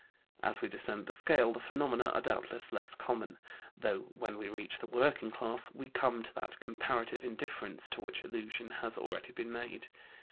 As we descend the scale the phenomena are doubtless less common, though when we reach the working class we come to that comparative indifference to which allusion has already been made.